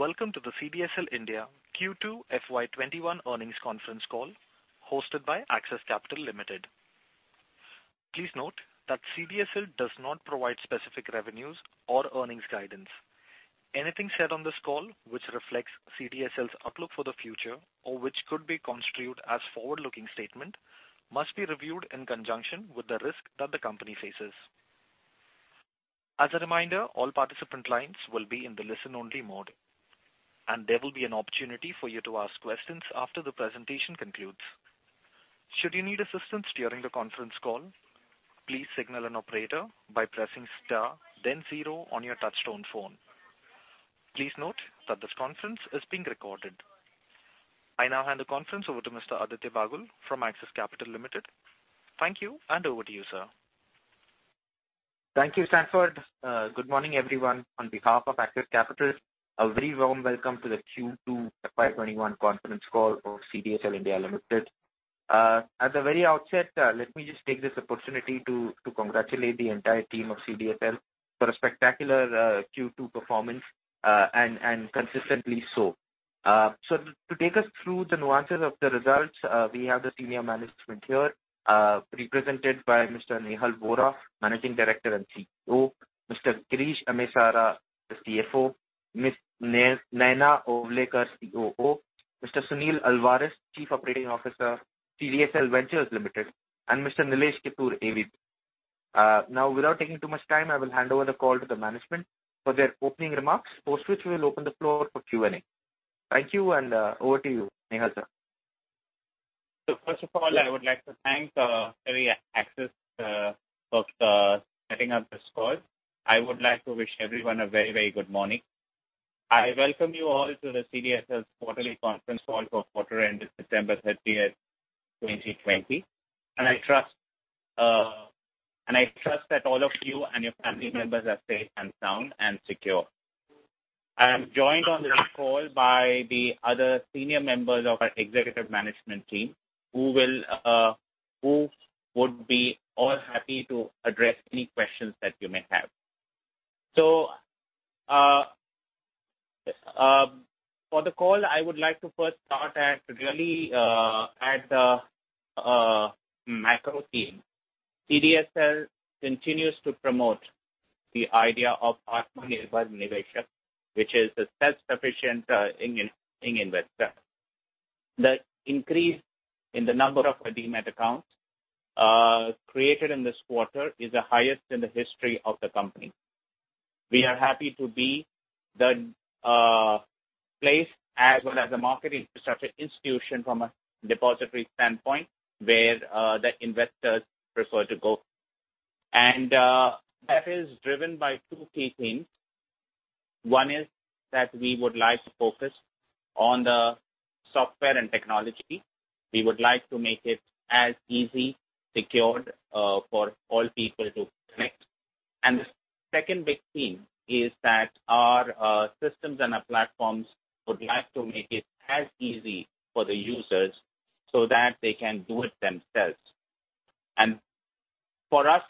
Welcome to the CDSL India Q2 FY21 earnings conference call hosted by Axis Capital Limited. Please note that CDSL does not provide specific revenues or earnings guidance. Anything said on this call which reflects CDSL's outlook for the future or which could be construed as forward-looking statement must be reviewed in conjunction with the risk that the company faces. As a reminder, all participant lines will be in the listen-only mode, and there will be an opportunity for you to ask questions after the presentation concludes. Should you need assistance during the conference call, please signal an operator by pressing star then zero on your touchtone phone. Please note that this conference is being recorded. I now hand the conference over to Mr Aditya Bagul from Axis Capital Limited. Thank you, and over to you, sir. Thank you, Sanford. Good morning, everyone. On behalf of Axis Capital, a very warm welcome to the Q2 FY21 conference call for CDSL India Limited. At the very outset, let me just take this opportunity to congratulate the entire team of CDSL for a spectacular Q2 performance, and consistently so. To take us through the nuances of the results, we have the senior management here represented by Mr Nehal Vora, Managing Director and CEO, Mr Girish Amesara, the CFO, Ms Nayana Ovalekar, COO, Mr Sunil Alvares, Chief Operating Officer, CDSL Ventures Limited, and Mr Nilesh Kittur, AVP. Now, without taking too much time, I will hand over the call to the management for their opening remarks, post which we will open the floor for Q&A. Thank you, and over to you, Nehal, sir. First of all, I would like to thank Axis for setting up this call. I would like to wish everyone a very good morning. I welcome you all to the CDSL quarterly conference call for the quarter ended September 30th, 2020. I trust that all of you and your family members are safe and sound and secure. I am joined on this call by the other senior members of our executive management team, who would be all happy to address any questions that you may have. For the call, I would like to first start at really at the macro theme. CDSL continues to promote the idea of Atmanirbhar Bharat India, which is a self-sufficient India investor. The increase in the number of Demat accounts created in this quarter is the highest in the history of the company. We are happy to be the place as well as a market infrastructure institution from a depository standpoint, where the investors prefer to go. That is driven by two key things. One is that we would like to focus on the software and technology. We would like to make it as easy, secured for all people to connect. The second big theme is that our systems and our platforms would like to make it as easy for the users so that they can do it themselves. For us,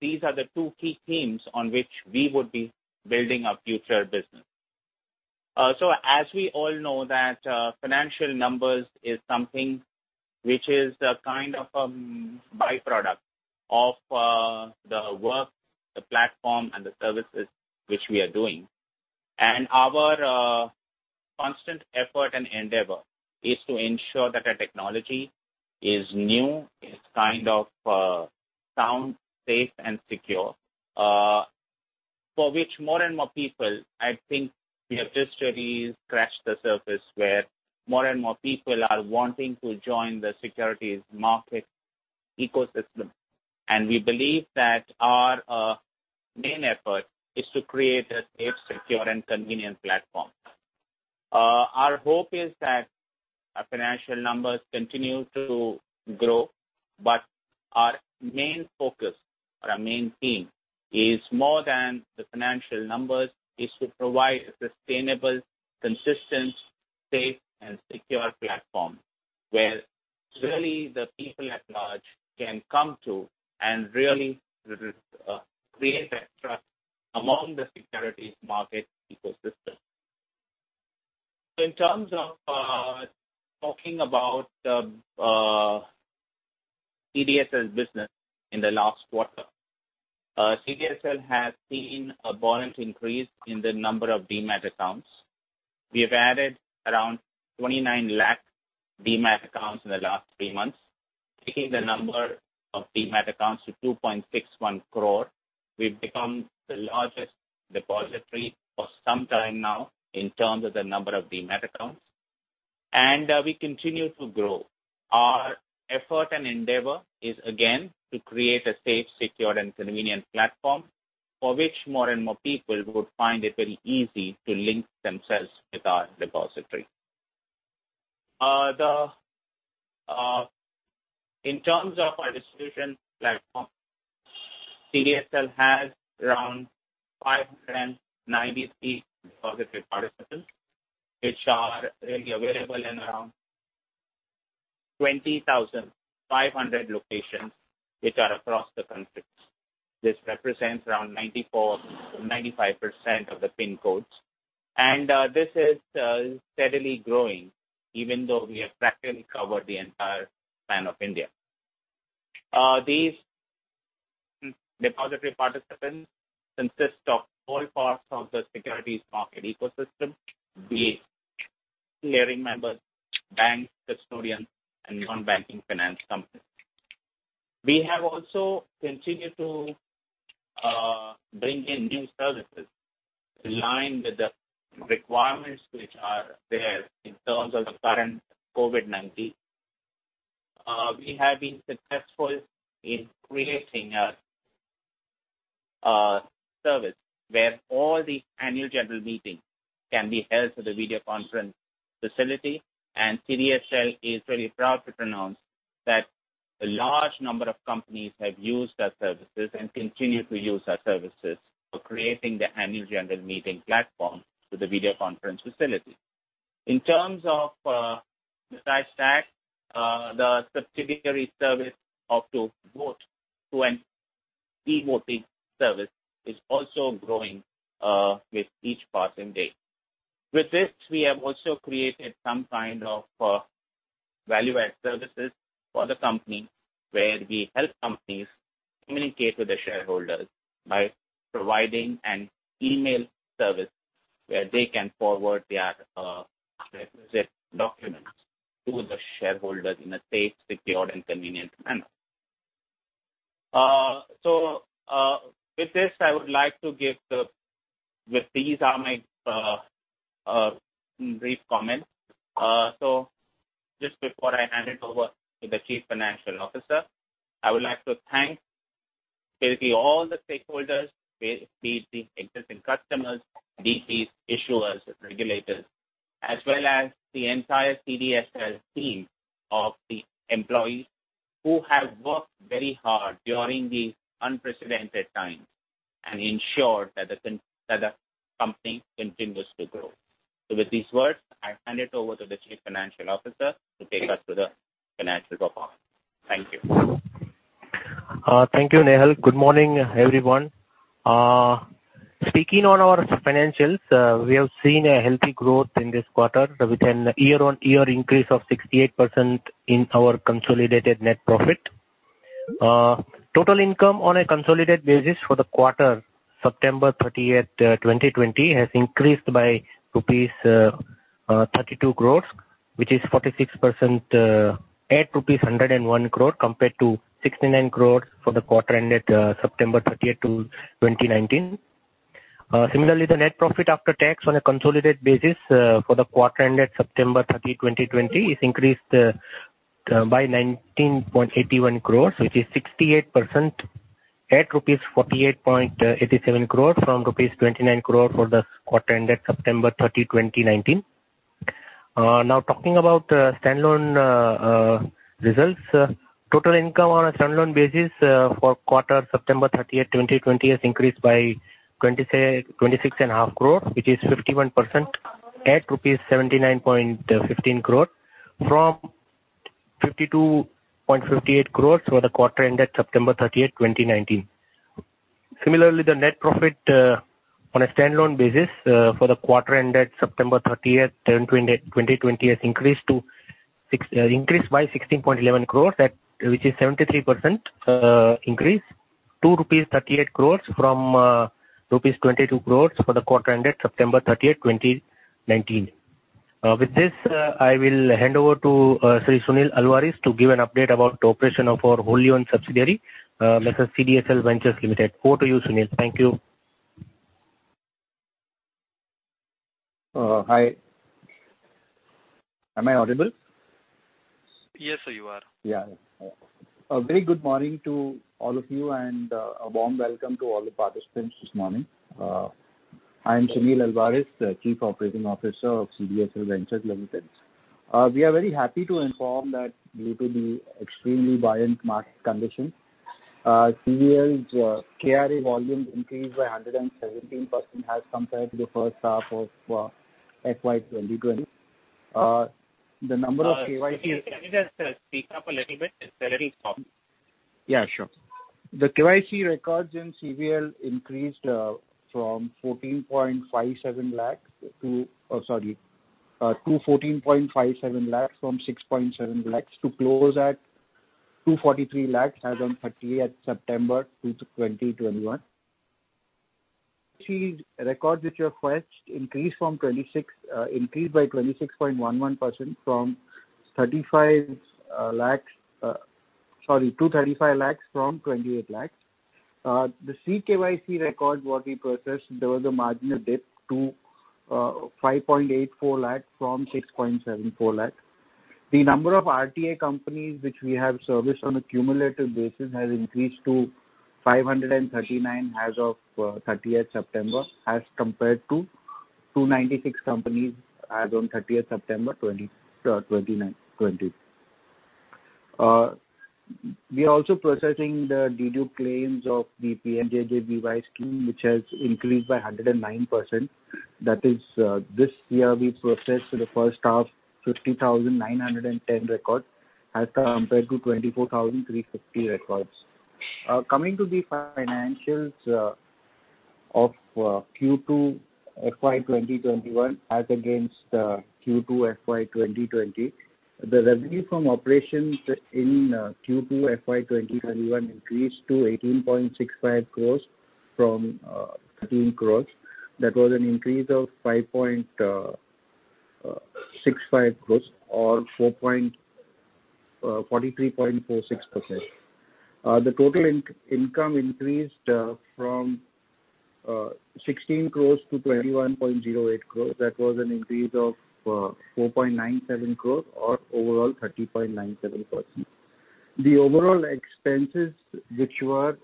these are the two key themes on which we would be building our future business. As we all know that financial numbers is something which is a kind of a by-product of the work, the platform, and the services which we are doing. Our constant effort and endeavor is to ensure that our technology is new, is kind of sound, safe, and secure, for which more and more people, I think we have just really scratched the surface where more and more people are wanting to join the securities market ecosystem. We believe that our main effort is to create a safe, secure, and convenient platform. Our hope is that our financial numbers continue to grow. Our main focus or our main theme is more than the financial numbers, is to provide a sustainable, consistent, safe, and secure platform where really the people at large can come to and really create that trust among the securities market ecosystem. In terms of talking about CDSL's business in the last quarter. CDSL has seen a buoyant increase in the number of Demat accounts. We have added around 29 lakh Demat accounts in the last three months, taking the number of Demat accounts to 2.61 crore. We've become the largest depository for some time now in terms of the number of Demat accounts. We continue to grow. Our effort and endeavor is, again, to create a safe, secure, and convenient platform for which more and more people would find it very easy to link themselves with our depository. In terms of our distribution platform, CDSL has around 593 depository participants, which are readily available in around 20,500 locations which are across the country. This represents around 95% of the PIN codes, and this is steadily growing even though we have practically covered the entire span of India. These depository participants consist of all parts of the securities market ecosystem, be it clearing members, banks, custodians, and non-banking finance companies. We have also continued to bring in new services in line with the requirements which are there in terms of the current COVID-19. We have been successful in creating a service where all the Annual General Meetings can be held through the video conference facility, and CDSL is very proud to announce that a large number of companies have used our services and continue to use our services for creating the Annual General Meeting platform through the video conference facility. Besides that, the subsidiary service of vote to an e-voting service is also growing with each passing day. With this, we have also created some kind of value-add services for the company, where we help companies communicate with their shareholders by providing an email service where they can forward their requisite documents to the shareholders in a safe, secure, and convenient manner. With this, these are my brief comments. Just before I hand it over to the Chief Financial Officer, I would like to thank basically all the stakeholders, be it the existing customers, be it the issuers, regulators, as well as the entire CDSL team of the employees who have worked very hard during these unprecedented times and ensured that the company continues to grow. With these words, I hand it over to the Chief Financial Officer to take us through the financial report. Thank you. Thank you, Nehal. Good morning, everyone. Speaking on our financials, we have seen a healthy growth in this quarter with a year-on-year increase of 68% in our consolidated net profit. Total income on a consolidated basis for the quarter, September 30th, 2020, has increased by rupees 32 crores, which is 46% at rupees 101 crores compared to 69 crores for the quarter ended September 30th, 2019. Similarly, the net profit after tax on a consolidated basis for the quarter ended September 30, 2020, is increased by 19.81 crores, which is 68% at rupees 48.87 crores from rupees 29 crores for the quarter ended September 30, 2019. Now talking about standalone results. Total income on a standalone basis for quarter September 30th, 2020, has increased by 26 and a half crores, which is 51% at rupees 79.15 crores from 52.58 crores for the quarter ended September 30th, 2019. Similarly, the net profit on a standalone basis for the quarter ended September 30th, 2020, increased by 16.11 crores, which is 73% increase to rupees 38 crores from rupees 22 crores for the quarter ended September 30th, 2019. With this, I will hand over to Mr. Sunil Alvares to give an update about the operation of our wholly-owned subsidiary, M/s CDSL Ventures Limited. Over to you, Sunil. Thank you. Hi. Am I audible? Yes, sir. You are. A very good morning to all of you and a warm welcome to all the participants this morning. I'm Sunil Alvares, Chief Operating Officer of CDSL Ventures Limited. We are very happy to inform that due to the extremely buoyant market condition, CVL's KRA volume increased by 117% as compared to the first half of FY 2020. The number of KYCs- Can you just speak up a little bit? It's a little soft. Yeah, sure. The KYC records in CVL increased, oh, sorry. To 14.57 lakhs from 6.7 lakhs to close at 243 lakhs as on 30th September 2020. Records which were fetched increased by 26.11%, sorry, to 35 lakhs from 28 lakhs. The CKYC record what we processed, there was a marginal dip to 5.84 lakhs from 6.74 lakhs. The number of RTA companies which we have serviced on a cumulative basis has increased to 539 as of 30th September as compared to 296 companies as on 30th September 2020. We are also processing the death claims of the PMJJBY scheme, which has increased by 109%. That is, this year we processed for the first half, 50,910 records as compared to 24,350 records. Coming to the financials of Q2 FY2021 as against Q2 FY2020. The revenue from operations in Q2 FY2021 increased to 18.65 crores from 13 crores. That was an increase of 5.65 crores or 43.46%. The total income increased from 16 crores to 21.08 crores. That was an increase of 4.97 crores, or overall, 30.97%. The overall expenses, which were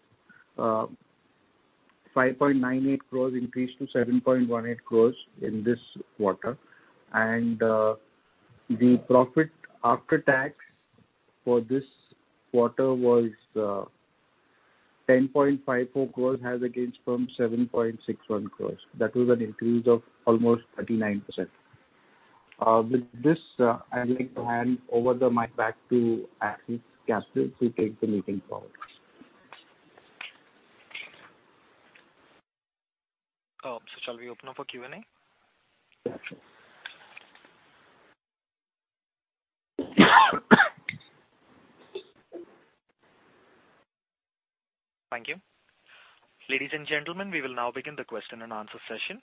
5.98 crores increased to 7.18 crores in this quarter, and the profit after tax for this quarter was 10.54 crores as against from 7.61 crores. That was an increase of almost 39%. With this, I'd like to hand over the mic back to Axis Capital to take the meeting forward. Shall we open up for Q&A? Sure. Thank you. Ladies and gentlemen, we will now begin the question and answer session.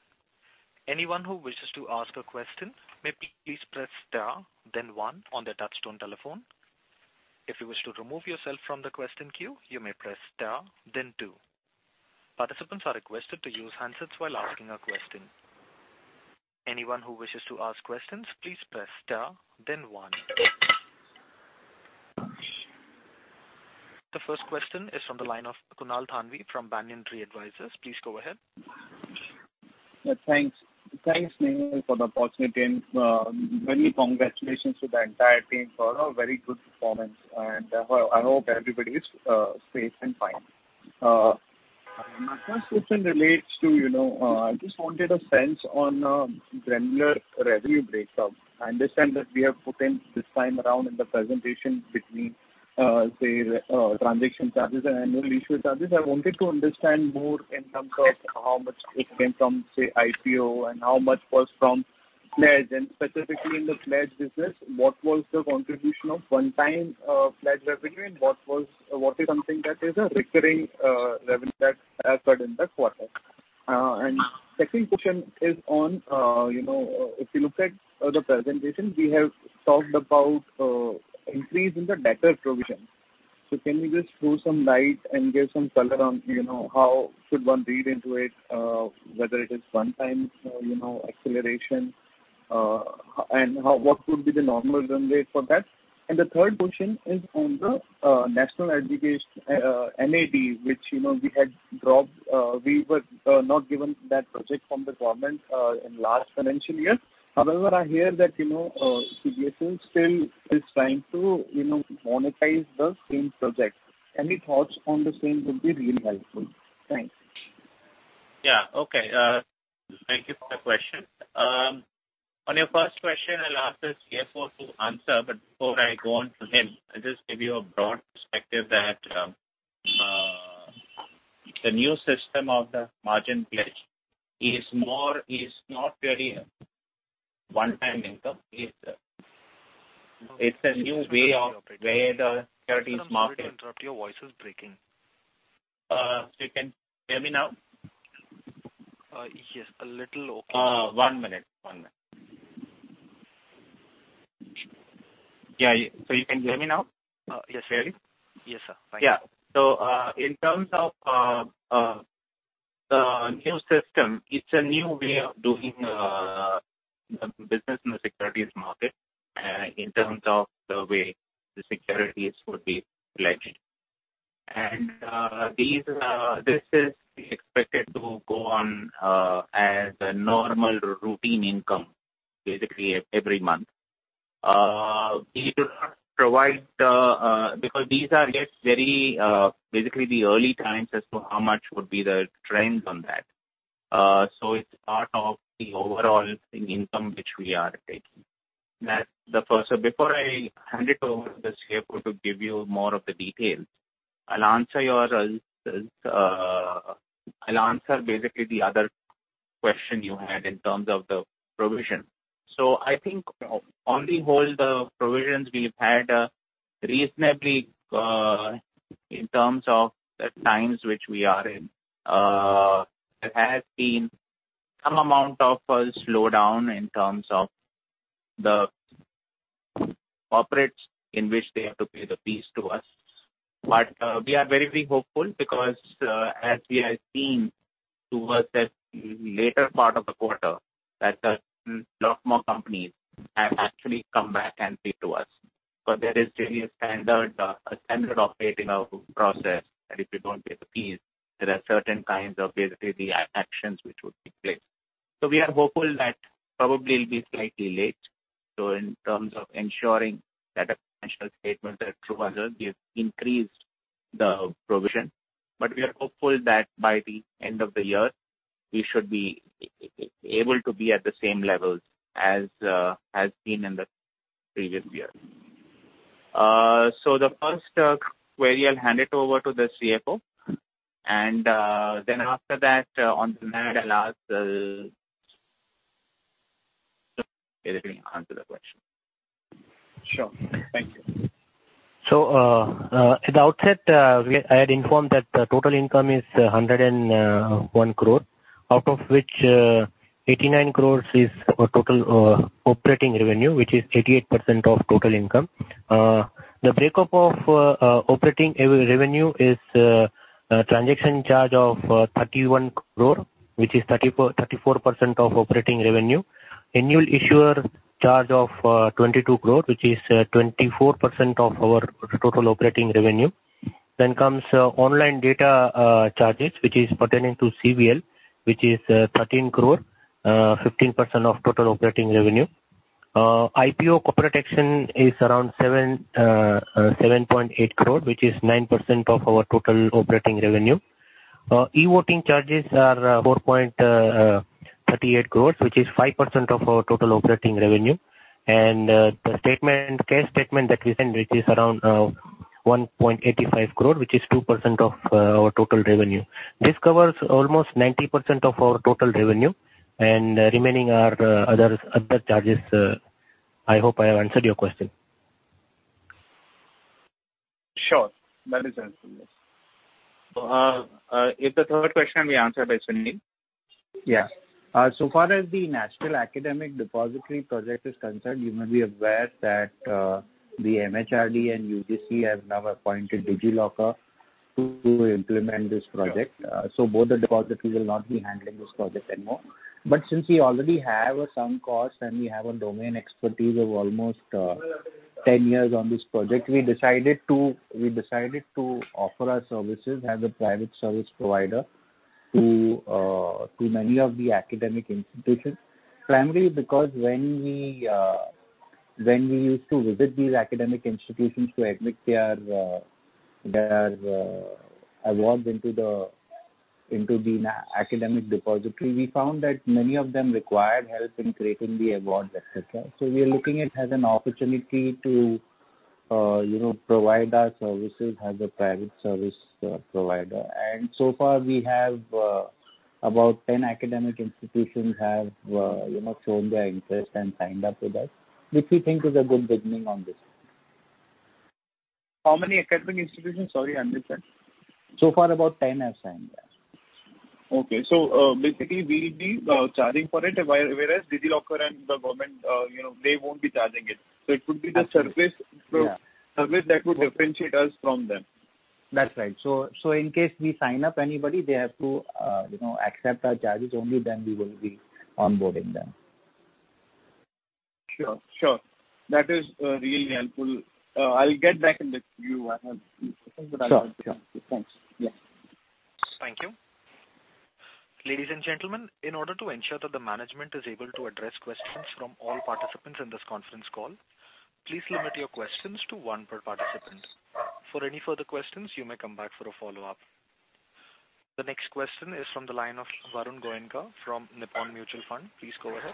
Anyone who wishes to ask a question may please press star then one on their touch-tone telephone. If you wish to remove yourself from the question queue, you may press star then two. Participants are requested to use handsets while asking a question. Anyone who wishes to ask questions, please press star then one. The first question is from the line of Kunal Thanvi from Banyan Tree Advisors. Please go ahead. Thanks, Nehal, for the opportunity and many congratulations to the entire team for a very good performance. I hope everybody is safe and fine. My first question relates to, I just wanted a sense on granular revenue breakdown. I understand that we have put in this time around in the presentation between, say, transaction charges and annual issue charges. I wanted to understand more in terms of how much it came from, say, IPO and how much was from pledge. Specifically in the pledge business, what was the contribution of one-time pledge revenue and what is something that is a recurring revenue that occurred in the quarter? Second question is on, if you look at the presentation, we have talked about increase in the debtor provision. Can you just throw some light and give some color on how should one read into it, whether it is one time acceleration and what would be the normal run rate for that? The third question is on the National Academic Depository, NAD, which we had dropped. We were not given that project from the government in last financial year. However, I hear that CDSL still is trying to monetize the same project. Any thoughts on the same would be really helpful. Thanks. Okay. Thank you for the question. On your first question, I'll ask the CFO to answer. Before I go on to him, I'll just give you a broad perspective that the new system of the margin pledge is not very one-time income. It's a new way of where the securities market. Sorry to interrupt, your voice is breaking. You can hear me now? Yes, a little okay. One minute. Yeah. You can hear me now? Yes, sir. Yeah. In terms of the new system, it's a new way of doing business in the securities market in terms of the way the securities would be pledged. This is expected to go on as a normal routine income basically every month. Because these are just very basically the early times as to how much would be the trends on that. It's part of the overall income which we are taking. That's the first. Before I hand it over to the CFO to give you more of the details, I'll answer basically the other question you had in terms of the provision. I think on the whole, the provisions we've had are reasonably, in terms of the times which we are in. There has been some amount of a slowdown in terms of the corporates in which they have to pay the fees to us. We are very hopeful because as we have seen towards the later part of the quarter, that a lot more companies have actually come back and paid to us. There is really a standard operating process that if you don't pay the fees, there are certain kinds of basically the actions which would be placed. We are hopeful that probably it'll be slightly late. In terms of ensuring that our financial statements are true, we have increased the provision. We are hopeful that by the end of the year, we should be able to be at the same levels as seen in the previous year. The first query, I'll hand it over to the CFO, and then after that, on the 11th, I'll ask Sunil to answer the question. Sure. Thank you. At the outset, I had informed that the total income is 101 crore. Out of which, 89 crore is our total operating revenue, which is 88% of total income. The breakup of operating revenue is a transaction charge of 31 crore, which is 34% of operating revenue. Annual issuer charge of 22 crore, which is 24% of our total operating revenue. Online data charges, which is pertaining to CVL, which is 13 crore, 15% of total operating revenue. IPO protection is around 7.8 crore, which is 9% of our total operating revenue. e-voting charges are 4.38 crore, which is 5% of our total operating revenue. The CAS statement that we send, which is around 1.85 crore, which is 2% of our total revenue. This covers almost 90% of our total revenue, and remaining are other charges. I hope I have answered your question. Sure. That is answered, yes. If the third question be answered by Sunil. Yeah. So far as the National Academic Depository project is concerned, you may be aware that the MHRD and UGC have now appointed DigiLocker to implement this project. Both the depository will not be handling this project anymore. Since we already have some cost and we have a domain expertise of almost 10 years on this project, we decided to offer our services as a private service provider to many of the academic institutions. Primarily because when we used to visit these academic institutions to admit their awards into the academic depository, we found that many of them required help in creating the awards, et cetera. We are looking at it as an opportunity to provide our services as a private service provider. So far, we have about 10 academic institutions have shown their interest and signed up with us, which we think is a good beginning on this. How many academic institutions? Sorry, I missed that. So far, about 10 have signed up. Okay. Basically, we'll be charging for it, whereas DigiLocker and the government won't be charging it. It would be the service. Yeah that would differentiate us from them. That's right. In case we sign up anybody, they have to accept our charges, only then we will be onboarding them. Sure. That is really helpful. I'll get back with you. I have a few questions but I'll get back to you. Sure. Thanks. Yeah. Thank you. Ladies and gentlemen, in order to ensure that the management is able to address questions from all participants in this conference call, please limit your questions to one per participant. For any further questions, you may come back for a follow-up. The next question is from the line of Varun Goenka from Nippon India Mutual Fund. Please go ahead.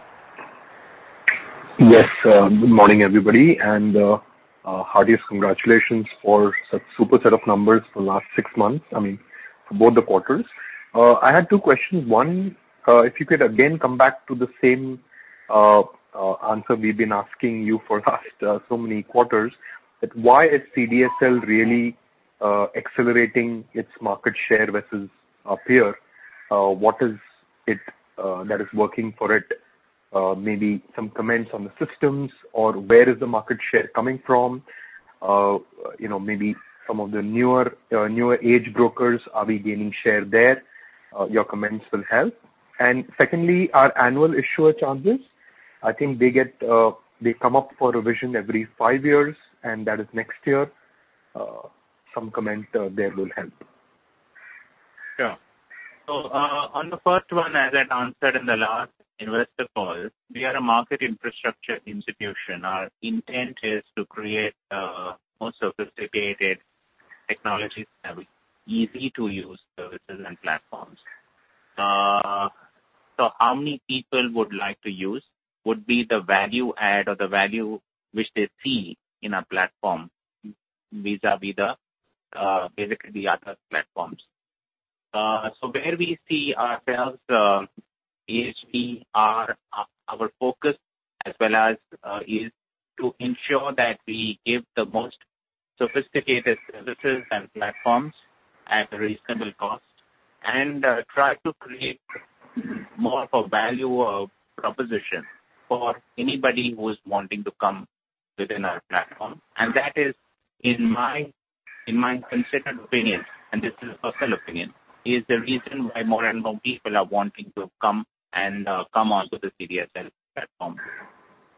Yes. Good morning, everybody, and heartiest congratulations for such super set of numbers for last six months. I mean, for both the quarters. I had two questions. One, if you could again come back to the same answer we've been asking you for last so many quarters, but why is CDSL really accelerating its market share versus our peer? What is it that is working for it? Maybe some comments on the systems, or where is the market share coming from? Maybe some of the newer age brokers, are we gaining share there? Your comments will help. Secondly, our annual issuer charges. I think they come up for revision every five years, and that is next year. Some comment there will help. Sure. On the first one, as I answered in the last investor call, we are a market infrastructure institution. Our intent is to create more sophisticated technologies that are easy-to-use services and platforms. How many people would like to use would be the value add or the value which they see in our platform vis-à-vis basically the other platforms. Where we see ourselves is our focus as well as is to ensure that we give the most sophisticated services and platforms at reasonable cost, and try to create more of a value proposition for anybody who's wanting to come within our platform. That is, in my considered opinion, and this is a personal opinion, is the reason why more and more people are wanting to come onto the CDSL platform.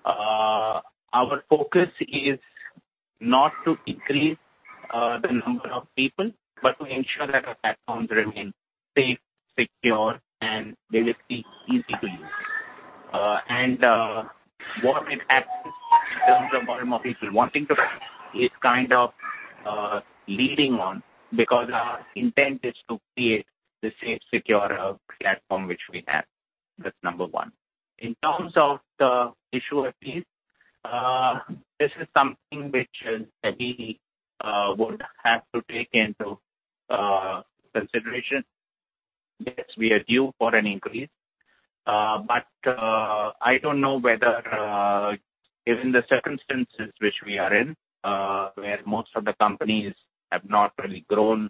Our focus is Not to increase the number of people, but to ensure that our platforms remain safe, secure, and basically easy to use. What has happened in terms of volume of people wanting to is kind of leading on because our intent is to create the safe, secure platform which we have. That's number one. In terms of the issuer fees, this is something which SEBI would have to take into consideration. Yes, we are due for an increase. I don't know whether, given the circumstances which we are in, where most of the companies have not really grown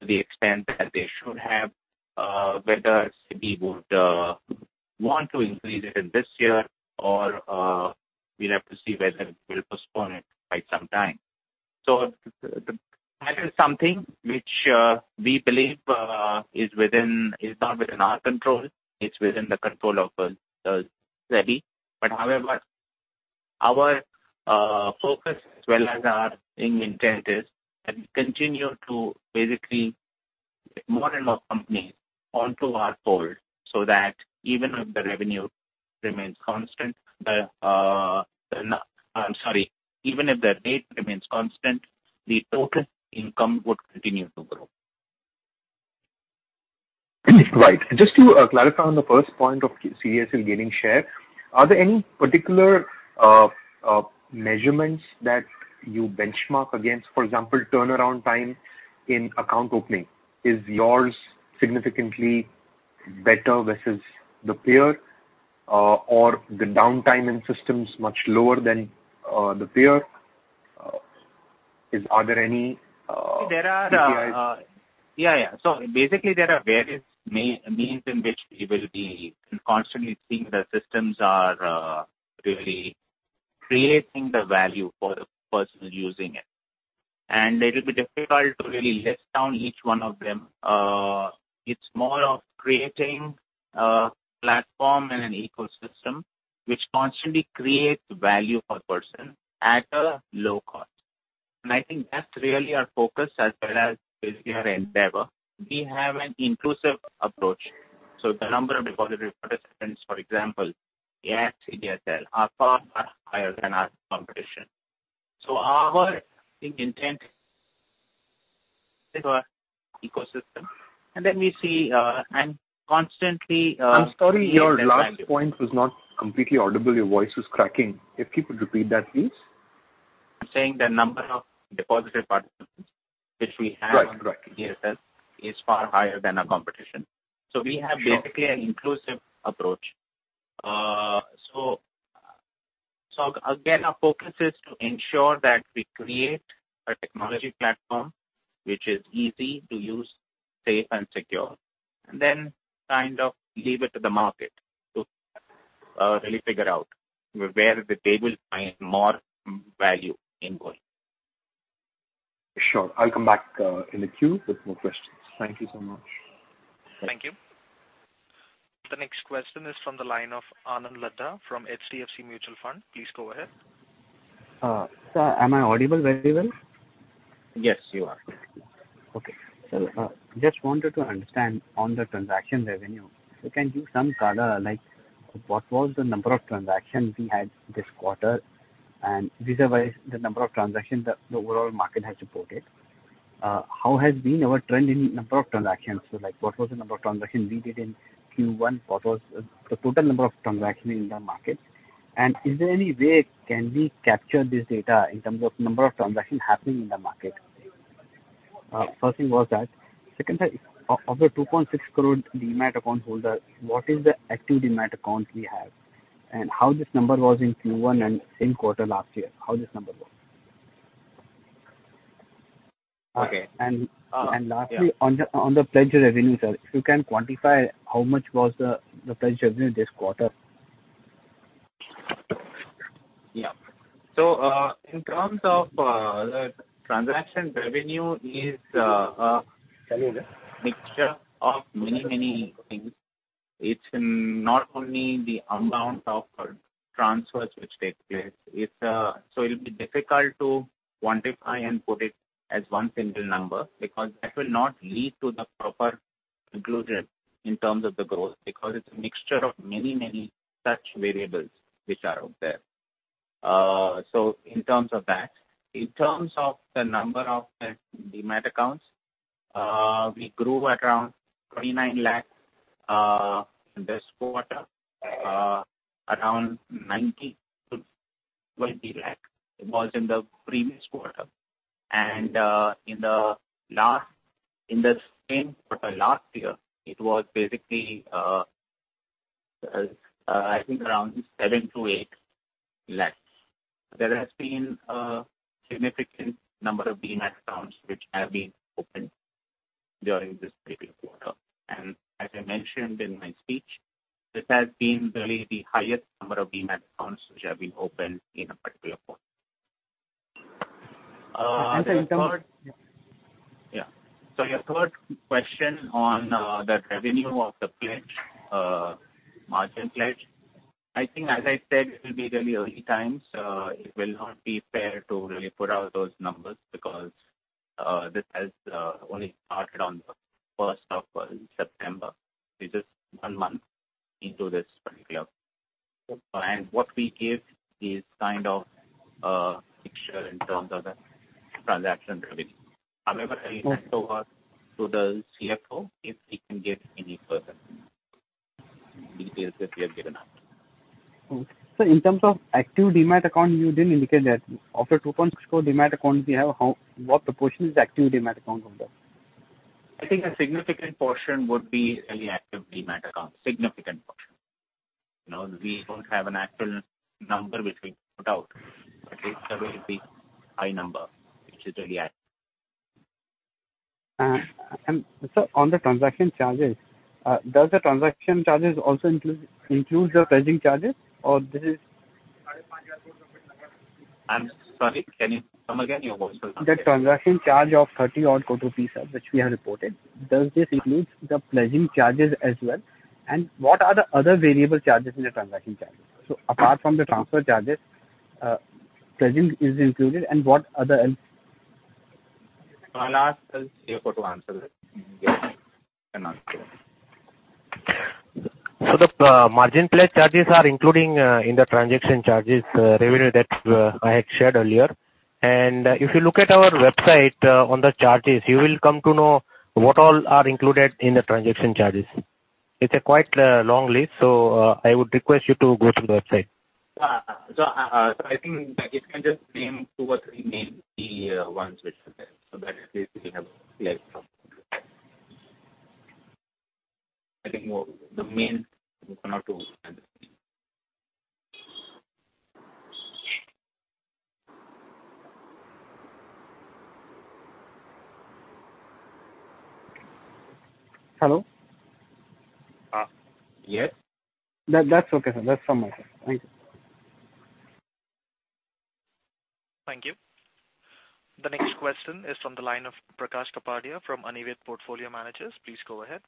to the extent that they should have, whether SEBI would want to increase it in this year or we'll have to see whether it will postpone it by some time. That is something which we believe is not within our control. It's within the control of SEBI. However, our focus as well as our main intent is, and continue to basically more and more companies onto our fold, so that even if the rate remains constant, the total income would continue to grow. Right. Just to clarify on the first point of CDSL gaining share, are there any particular measurements that you benchmark against? For example, turnaround time in account opening. Is yours significantly better versus the peer? Or the downtime in systems much lower than the peer? There are- KPIs? Yeah. Basically, there are various means in which we will be constantly seeing the systems are really creating the value for the person using it. It will be difficult to really list down each one of them. It's more of creating a platform and an ecosystem which constantly creates value for the person at a low cost. I think that's really our focus as well as basically our endeavor. We have an inclusive approach. The number of depository participants, for example, at CDSL are far, far higher than our competition. Our intent ecosystem, and then we see. I'm sorry, your last point was not completely audible. Your voice was cracking. If you could repeat that, please. I'm saying the number of depository participants which we have. Right at CDSL is far higher than our competition. We have basically an inclusive approach. Again, our focus is to ensure that we create a technology platform which is easy to use, safe, and secure. Then kind of leave it to the market to really figure out where they will find more value in going. Sure. I'll come back in the queue with more questions. Thank you so much. Thank you. The next question is from the line of Anand Laddha from HDFC Mutual Fund. Please go ahead. Sir, am I audible very well? Yes, you are. Okay. Just wanted to understand on the transaction revenue, if you can give some color like what was the number of transactions we had this quarter and vis-à-vis the number of transactions that the overall market has reported. How has been our trend in number of transactions? Like, what was the number of transactions we did in Q1? What was the total number of transactions in the market? Is there any way can we capture this data in terms of number of transactions happening in the market? First thing was that. Second, of the 2.6 crore Demat account holders, what is the active Demat accounts we have? How this number was in Q1 and same quarter last year, how this number was? Okay. Lastly, on the pledge revenue, sir, if you can quantify how much was the pledge revenue this quarter? Yeah. Sorry, sir. mixture of many things. It's not only the amount of transfers which take place. It'll be difficult to quantify and put it as one single number because that will not lead to the proper conclusion in terms of the growth, because it's a mixture of many such variables which are out there. In terms of that. In terms of the number of Demat accounts, we grew around 29 lakh this quarter. Around 19 to 20 lakh was in the previous quarter. In the same quarter last year, it was basically, I think around seven to eight lakhs. There has been a significant number of Demat accounts which have been opened during this previous quarter. As I mentioned in my speech, this has been really the highest number of Demat accounts which have been opened in a particular quarter. And sir in terms- Yeah. Your third question on the revenue of the pledge, margin pledge, I think as I said, it will be really early times. It will not be fair to really put out those numbers because this has only started on the 1st of September. It is one month into this particular. What we give is kind of a picture in terms of the transaction revenue. However, I hand over to the CFO, if he can give any further details if we have given out. Okay. Sir, in terms of active Demat account, you didn't indicate that. Of the 2.64 Demat accounts we have, what proportion is the active Demat account from that? I think a significant portion would be really active Demat accounts. Significant portion. We don't have an actual number which we put out, but it's a very big, high number, which is really active. Sir, on the transaction charges, does the transaction charges also include your pledging charges? I'm sorry, can you come again? Your voice was not clear. The transaction charge of 30 odd crore, sir, which we have reported, does this include the pledging charges as well? What are the other variable charges in the transaction charges? Apart from the transfer charges, pledging is included. I'll ask the CFO to answer that and give an answer. The margin pledge charges are included in the transaction charges revenue that I had shared earlier. If you look at our website on the charges, you will come to know what all are included in the transaction charges. It's a quite long list, so I would request you to go through the website. I think he can just name two or three maybe ones which are there, so that at least we have a clear picture. I think the main one or two. Hello? Yes. That's okay, sir. That's from my side. Thank you. Thank you. The next question is from the line of Prakash Kapadia from Anived Portfolio Managers. Please go ahead.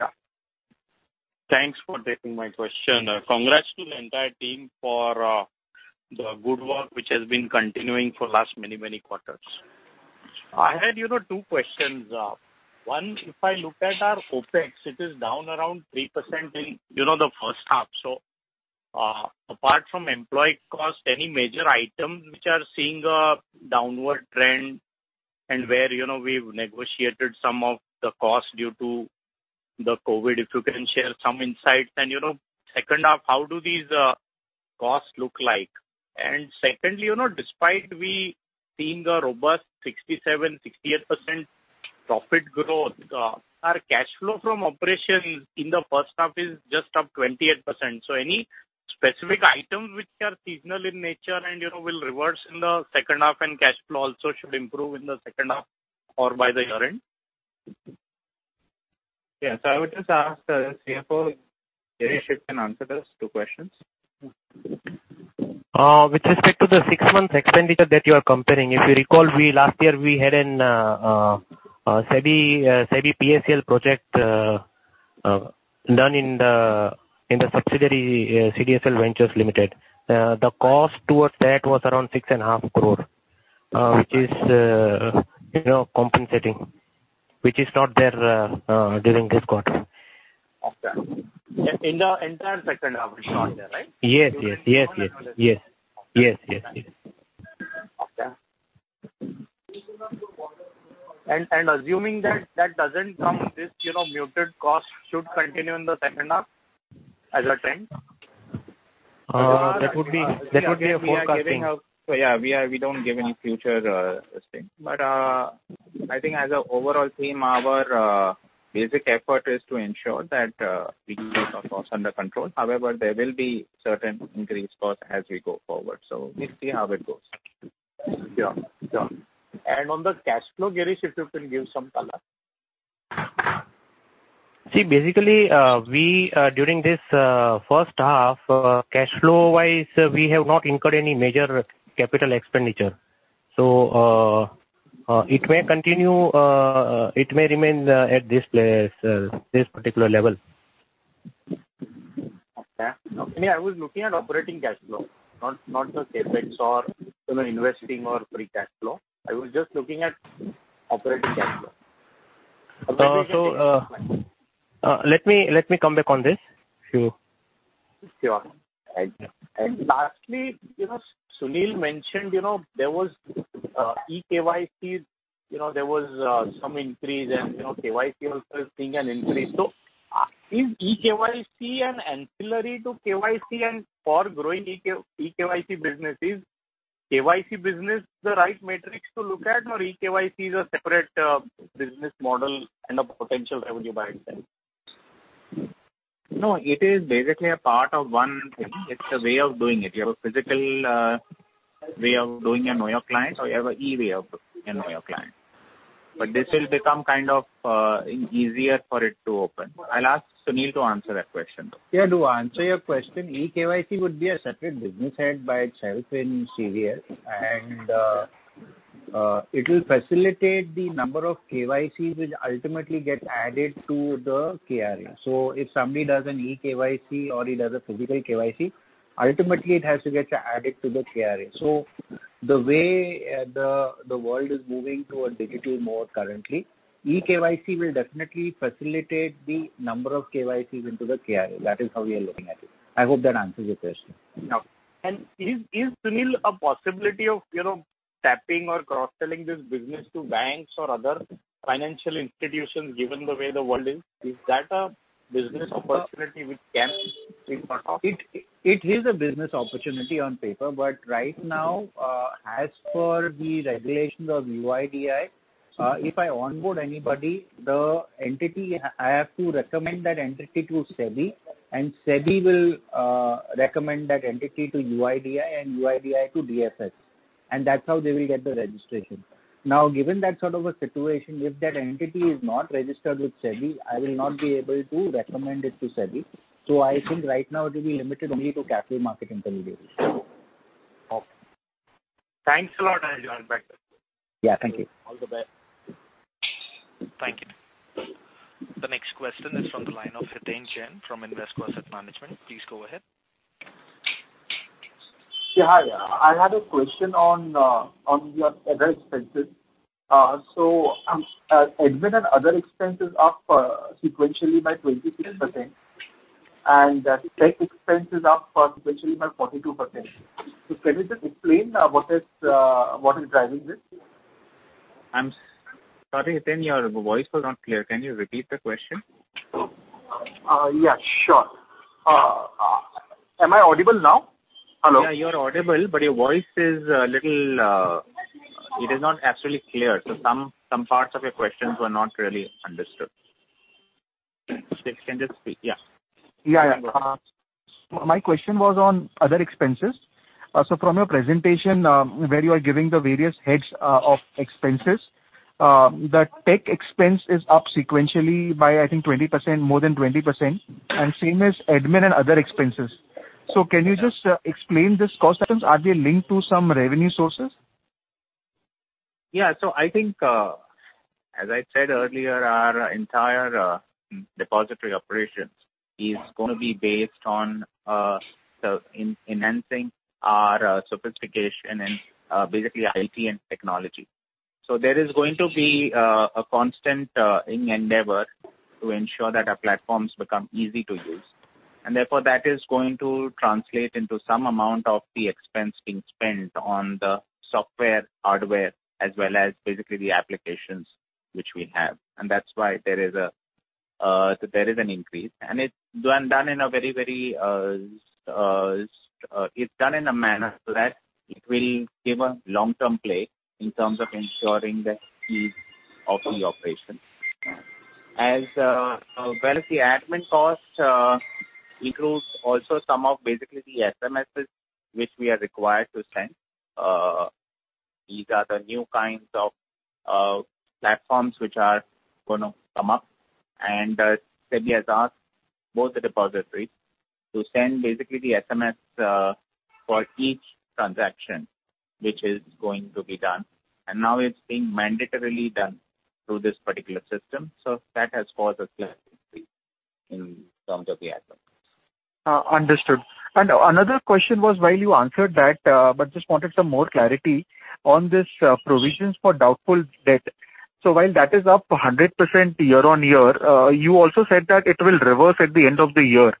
Yeah. Thanks for taking my question. Congrats to the entire team for the good work which has been continuing for last many quarters. I had two questions. One, if I look at our OPEX, it is down around 3% in the first half. Apart from employee cost, any major items which are seeing a downward trend and where we've negotiated some of the cost due to the COVID-19, if you can share some insights. Second half, how do these costs look like? Secondly, despite we seeing a robust 67%, 68% profit growth, our cash flow from operations in the first half is just up 28%. Any specific items which are seasonal in nature and will reverse in the second half and cash flow also should improve in the second half or by the year-end? Yeah. I would just ask CFO Girish, if he can answer those two questions. With respect to the six months expenditure that you are comparing, if you recall, last year we had a SEBI PSAL project done in the subsidiary, CDSL Ventures Limited. The cost towards that was around six and a half crore, which is compensating, which is not there during this quarter. Okay. In the entire second half, it's not there, right? Yes. Okay. Assuming that that doesn't come, this muted cost should continue in the second half as a trend? That would be a. Yeah, we don't give any future listing. I think as an overall theme, our basic effort is to ensure that we keep our costs under control. However, there will be certain increased costs as we go forward, we'll see how it goes. Sure. On the cash flow, Girish, if you can give some color. Basically, during this first half, cash flow-wise, we have not incurred any major capital expenditure. It may remain at this particular level. Okay. I was looking at operating cash flow, not just CapEx or investing or free cash flow. I was just looking at operating cash flow. Let me come back on this. Sure. Sure. Lastly, Sunil mentioned there was eKYC, there was some increase and KYC also seeing an increase. Is eKYC an ancillary to KYC? For growing eKYC businesses, KYC business the right matrix to look at or eKYC is a separate business model and a potential revenue by itself? It is basically a part of one thing. It's a way of doing it. You have a physical way of doing a Know Your Customer, or you have an e way of a Know Your Customer. This will become kind of easier for it to open. I'll ask Sunil to answer that question, though. To answer your question, eKYC would be a separate business head by itself in CDSL, and it will facilitate the number of KYCs which ultimately get added to the KRA. If somebody does an eKYC or he does a physical KYC, ultimately it has to get added to the KRA. The way the world is moving towards digital mode currently, eKYC will definitely facilitate the number of KYCs into the KRA. That is how we are looking at it. I hope that answers your question. Yeah. Is, Sunil, a possibility of tapping or cross-selling this business to banks or other financial institutions, given the way the world is? Is that a business opportunity which can be thought of? It is a business opportunity on paper. Right now, as per the regulations of UIDAI, if I onboard anybody, the entity, I have to recommend that entity to SEBI, and SEBI will recommend that entity to UIDAI and UIDAI to DFS, and that's how they will get the registration. Given that sort of a situation, if that entity is not registered with SEBI, I will not be able to recommend it to SEBI. I think right now it will be limited only to capital market intermediaries. Okay. Thanks a lot. I'll join back. Yeah. Thank you. All the best. Thank you. The next question is from the line of Hiten Jain from Invesco Asset Management. Please go ahead. Yeah, hi. I had a question on your other expenses. Admin and other expenses are up sequentially by 26%, and tech expense is up sequentially by 42%. Can you just explain what is driving this? I'm sorry, Hiten, your voice was not clear. Can you repeat the question? Yeah, sure. Am I audible now? Hello? Yeah, you're audible, but your voice is not absolutely clear. Some parts of your questions were not really understood. Yeah. Yeah. My question was on other expenses. From your presentation, where you are giving the various heads of expenses, the tech expense is up sequentially by, I think 20%, more than 20%, and same as admin and other expenses. Can you just explain this cost expense? Are they linked to some revenue sources? Yeah. I think, as I said earlier, our entire depository operations is going to be based on enhancing our sophistication and basically our IT and technology. There is going to be a constant endeavor to ensure that our platforms become easy to use. Therefore that is going to translate into some amount of the expense being spent on the software, hardware, as well as basically the applications which we have. That's why there is an increase. It's done in a manner so that it will give a long-term play in terms of ensuring the speed of the operation. As well as the admin cost includes also some of basically the SMSs, which we are required to send. These are the new kinds of platforms which are going to come up. SEBI has asked both the depositories to send basically the SMS for each transaction which is going to be done. Now it's being mandatorily done through this particular system. That has caused a slight increase in terms of the admin costs. Understood. Another question was, while you answered that, just wanted some more clarity on these provisions for doubtful debt. While that is up 100% year-over-year, you also said that it will reverse at the end of the year.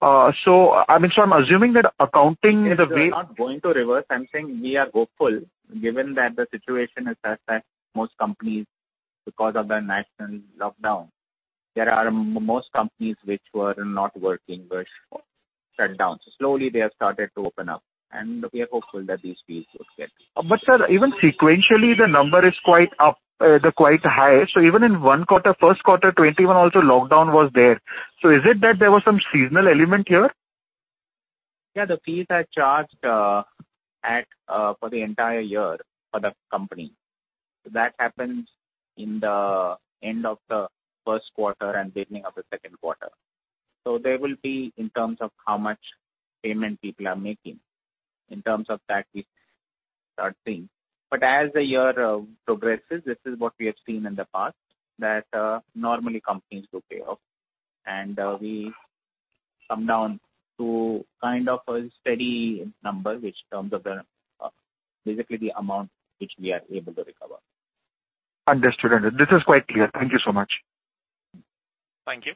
I mean, I'm assuming that accounting is a way. It's not going to reverse. I'm saying we are hopeful given that the situation is such that most companies, because of the national lockdown, there are most companies which were not working, were shut down. Slowly they have started to open up, and we are hopeful that these fees would get. Sir, even sequentially, the number is quite high. Even in one quarter, first quarter 2021 also, lockdown was there. Is it that there was some seasonal element here? Yeah, the fees are charged for the entire year for the company. That happens in the end of the first quarter and beginning of the second quarter. There will be in terms of how much payment people are making, in terms of that we start seeing. As the year progresses, this is what we have seen in the past, that normally companies do pay off. We come down to kind of a steady number in terms of basically the amount which we are able to recover. Understood. This is quite clear. Thank you so much. Thank you.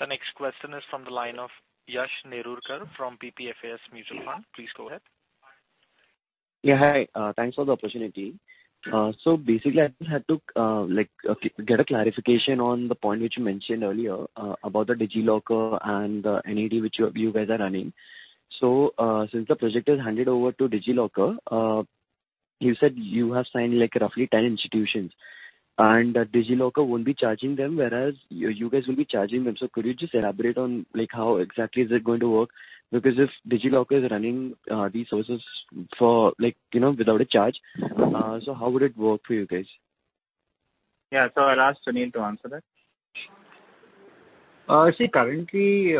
The next question is from the line of Yashodhan Nerurkar from PPFAS Mutual Fund. Please go ahead. Yeah, hi. Thanks for the opportunity. Basically, I just had to get a clarification on the point which you mentioned earlier about the DigiLocker and the NAD which you guys are running. Since the project is handed over to DigiLocker, you said you have signed roughly 10 institutions. And DigiLocker won't be charging them, whereas you guys will be charging them. Could you just elaborate on how exactly is it going to work? Because if DigiLocker is running these services without a charge, how would it work for you guys? Yeah. I'll ask Sunil to answer that. Currently,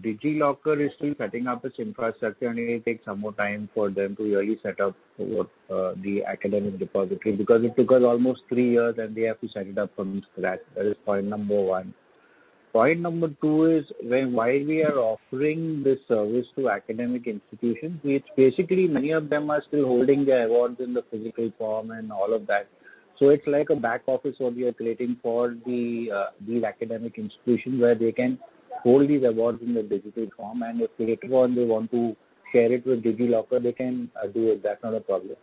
DigiLocker is still setting up its infrastructure, and it takes some more time for them to really set up the National Academic Depository, because it took us almost three years and they have to set it up from scratch. That is point number one. Point number two is, while we are offering this service to academic institutions, which basically many of them are still holding their awards in the physical form and all of that. It's like a back office what we are creating for these academic institutions, where they can hold these awards in the digital form. If later on they want to share it with DigiLocker, they can do it. That's not a problem.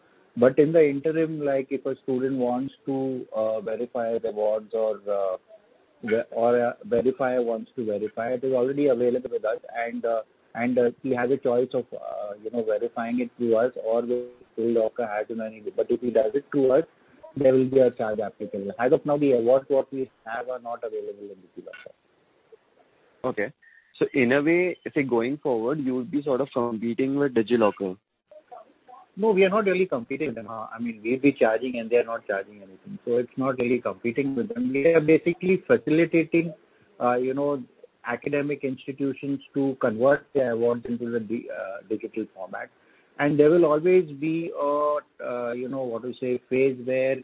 In the interim, if a student wants to verify the awards or a verifier wants to verify, it is already available with us, and he has a choice of verifying it through us or through DigiLocker as and when he. If he does it through us, there will be a charge applicable. As of now, the awards what we have are not available in DigiLocker. Okay. In a way, I think going forward, you'll be sort of competing with DigiLocker. No, we are not really competing with them. We'll be charging and they're not charging anything. It's not really competing with them. We are basically facilitating academic institutions to convert their award into the digital format. There will always be a phase where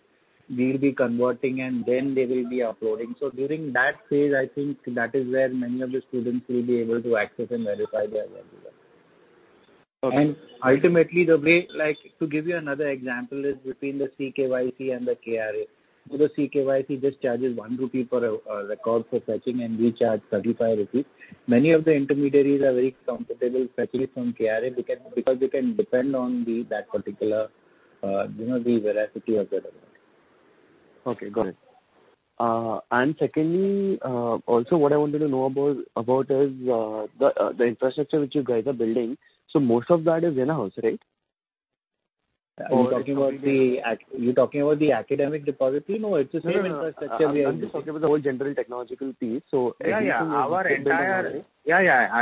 we'll be converting and then they will be uploading. During that phase, I think that is where many of the students will be able to access and verify their awards. Okay. Ultimately, to give you another example, is between the CKYC and the KRA. The CKYC just charges 1 rupee for a record for fetching, and we charge 35 rupees. Many of the intermediaries are very comfortable, especially from KRA, because they can depend on that particular veracity of the record. Okay, got it. Secondly, also what I wanted to know about is the infrastructure which you guys are building. Most of that is in-house, right? You're talking about the Academic Depository? No, it's a separate infrastructure we have built. No, I'm just talking about the whole general technological piece. Our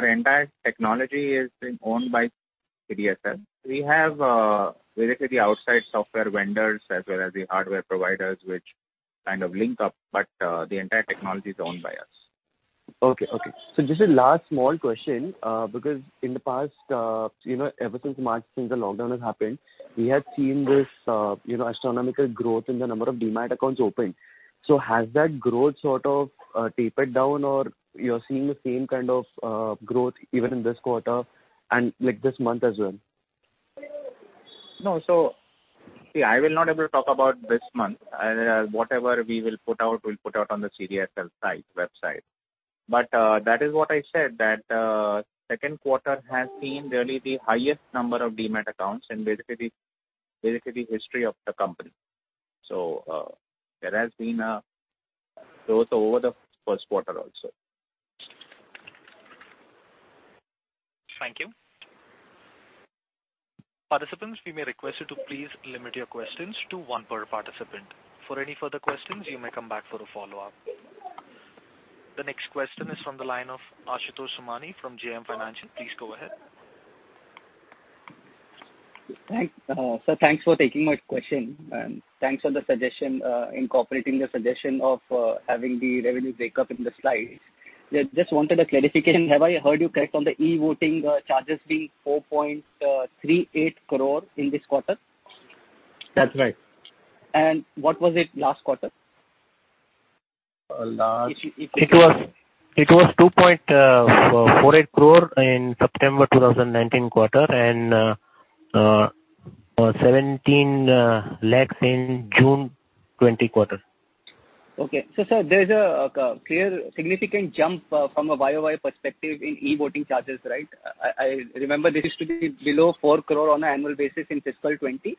entire technology is being owned by CDSL. We have basically the outside software vendors as well as the hardware providers, which kind of link up. The entire technology is owned by us. Okay. Just a last small question. Because in the past, ever since March, since the lockdown has happened, we have seen this astronomical growth in the number of Demat accounts opened. Has that growth sort of tapered down or you're seeing the same kind of growth even in this quarter and this month as well? No. See, I will not able to talk about this month. Whatever we will put out, we'll put out on the CDSL website. That is what I said, that second quarter has seen really the highest number of Demat accounts in basically the history of the company. There has been a growth over the first quarter also. Thank you. Participants, we may request you to please limit your questions to one per participant. For any further questions, you may come back for a follow-up. The next question is from the line of Ashutosh Somani from JM Financial. Please go ahead. Sir, thanks for taking my question, thanks for incorporating the suggestion of having the revenue breakup in the slide. Just wanted a clarification. Have I heard you correct on the e-voting charges being 4.38 crore in this quarter? That's right. What was it last quarter? It was 2.48 crore in September 2019 quarter and 17 lakhs in June 2020 quarter. Okay. Sir, there's a clear significant jump from a Y-o-Y perspective in e-voting charges, right? I remember this used to be below 4 crore on an annual basis in FY 2020,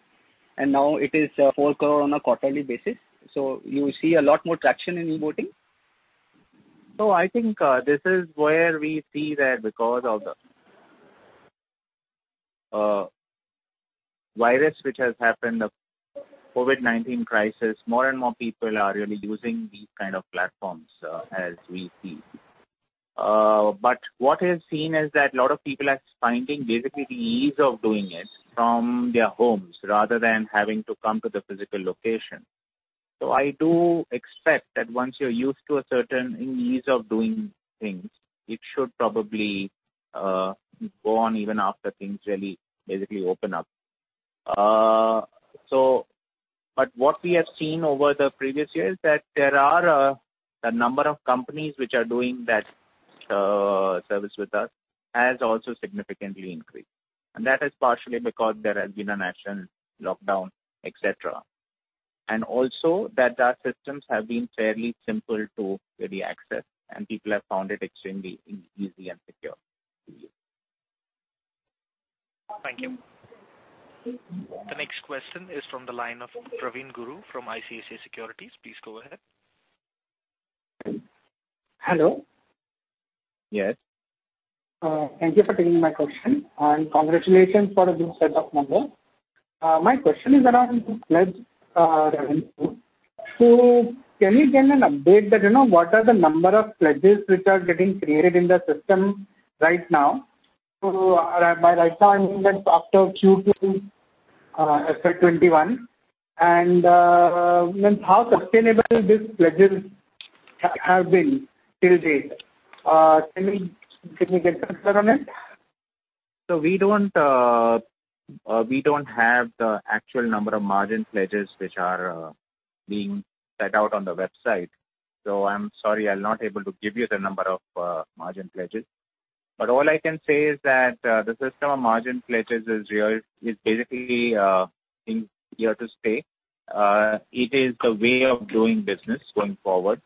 and now it is 4 crore on a quarterly basis. You see a lot more traction in e-voting? I think this is where we see that because of the virus which has happened, the COVID-19 crisis, more and more people are really using these kind of platforms, as we see. What is seen is that a lot of people are finding basically the ease of doing it from their homes rather than having to come to the physical location. I do expect that once you're used to a certain ease of doing things, it should probably go on even after things really basically open up. What we have seen over the previous years, that there are a number of companies which are doing that service with us has also significantly increased. That is partially because there has been a national lockdown, et cetera. Also that our systems have been fairly simple to really access, and people have found it extremely easy and secure to use. Thank you. The next question is from the line of Praveen Guru from ICICI Securities. Please go ahead. Hello. Yes. Thank you for taking my question, and congratulations for this set of numbers. My question is around pledge revenue. Can you give an update that, what are the number of pledges which are getting created in the system right now? By right now, I'm thinking that after Q2 FY21, how sustainable these pledges have been till date. Can you give me a number on it? We don't have the actual number of margin pledges which are being set out on the website. I'm sorry, I'm not able to give you the number of margin pledges. All I can say is that the system of margin pledges is basically here to stay. It is the way of doing business going forward.